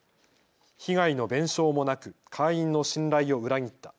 被害の弁償もなく会員の信頼を裏切った。